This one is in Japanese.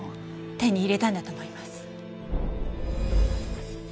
手に入れたんだと思います。